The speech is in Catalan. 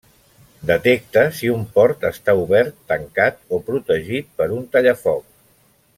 Detecta si un port està obert, tancat, o protegit per un tallafoc.